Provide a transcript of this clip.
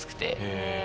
へえ。